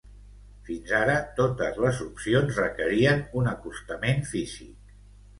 Fins ara, totes les opcions requerien un acostament físic